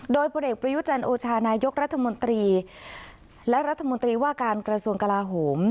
โดยพลเอกประยุจันโอชานายกรัฐมนตรีและรัฐมนตรีว่าการกระทรวงกลาโหม